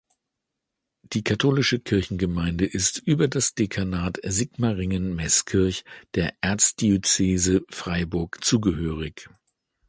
Die katholische Kirchengemeinde ist über das Dekanat Sigmaringen-Meßkirch der Erzdiözese Freiburg zugehörig.